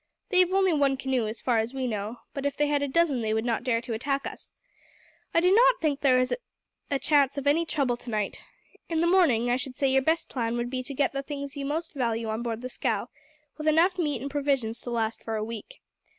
They have only one canoe, as far as we know; but if they had a dozen they would not dare to attack us. I do not think that there is a chance of any trouble to night. In the morning, I should say your best plan would be to get the things you most value on board the scow, with enough meat and provisions to last for a week.